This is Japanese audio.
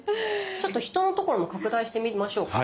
ちょっと人のところも拡大してみましょうか。